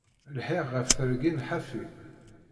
Lḥiɣ ɣef tergin ḥafi.